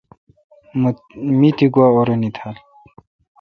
می تی گوا اُوران تھال۔